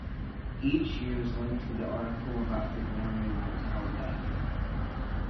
Each year is linked to the article about the Grammy Awards held that year.